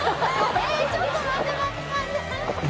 舛ちょっと待って待って